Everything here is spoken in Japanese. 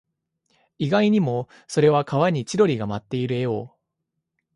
意外にも、それは川に千鳥が舞っている絵を